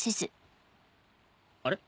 あれ？